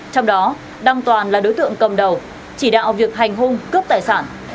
trong đó đăng toàn là đối tượng cầm đầu chỉ đạo việc hành hung cướp tài sản